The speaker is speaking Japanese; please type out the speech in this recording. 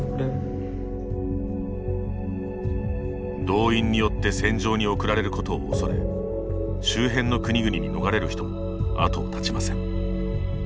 動員によって戦場に送られることを恐れ周辺の国々に逃れる人も後を絶ちません。